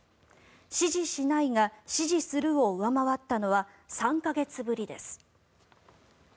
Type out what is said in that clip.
支持しないが支持するを上回ったのは３か月ぶりです。